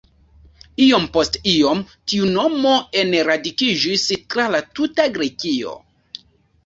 Iom post iom tiu nomo enradikiĝis tra la tuta Grekio.